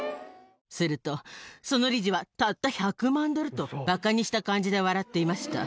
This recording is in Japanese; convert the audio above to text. すると、その理事は、たった１００万ドル？とばかにした感じで笑っていました。